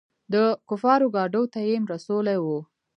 د کفارو ګاډو ته يېم رسولي وو.